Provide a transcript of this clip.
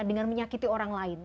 dengan menyakiti orang lain